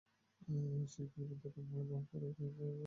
শিল্পের মধ্যে অটোমোবাইল, বহনকারী ট্রেন এবং এলয় শিল্প বিখ্যাত।